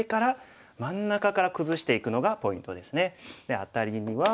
アタリには。